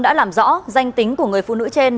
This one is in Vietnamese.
đã làm rõ danh tính của người phụ nữ trên